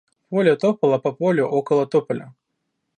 Поля топала по полю около тополя.